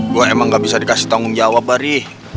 gue emang gak bisa dikasih tanggung jawab bari